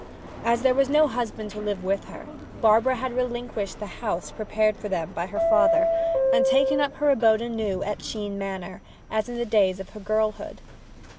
As there was no husband to live with her, Barbara had relinquished the house prepared for them by her father, and taken up her abode anew at Chene Manor, as in the days of her girlhood.